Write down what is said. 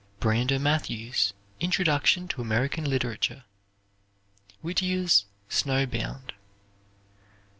Brander Matthews' "Introduction to American Literature." Whittier's "Snow Bound."